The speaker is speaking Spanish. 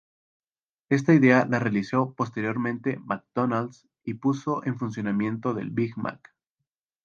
Esta idea la realizó posteriormente McDonalds y puso en funcionamiento del Big Mac.